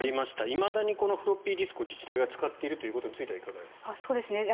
いまだにこのフロッピーディスクを自治体が使っているということについてはいかがですか？